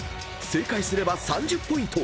正解すれば３０ポイント］